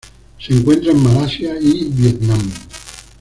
Se encuentra en Malasia y Vietnam.